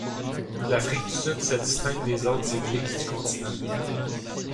L'Afrique du Sud se distingue des autres églises du continent.